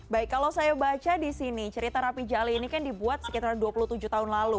baik kalau saya baca di sini cerita rapi jali ini kan dibuat sekitar dua puluh tujuh tahun lalu